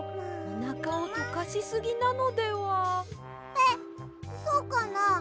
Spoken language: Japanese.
えっそうかな？